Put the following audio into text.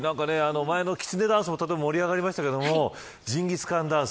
前のきつねダンスも盛り上がりましたがジンギスカンダンス